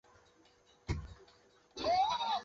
有时也会用猪或羊的睾丸代替。